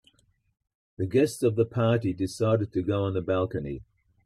The guests of the party decided to go on the balcony.